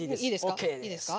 ＯＫです！